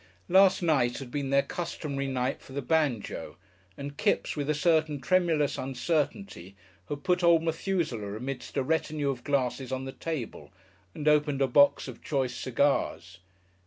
Last night had been their customary night for the banjo, and Kipps, with a certain tremulous uncertainty, had put old Methuselah amidst a retinue of glasses on the table and opened a box of choice cigars.